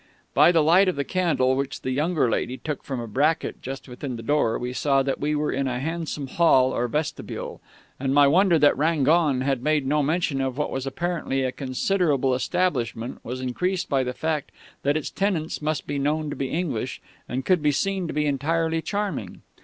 "By the light of the candle which the younger lady took from a bracket just within the door we saw that we were in a handsome hall or vestibule; and my wonder that Rangon had made no mention of what was apparently a considerable establishment was increased by the fact that its tenants must be known to be English and could be seen to be entirely charming.